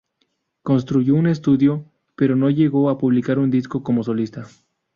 Construyó un estudio, pero no llegó a publicar un disco como solista.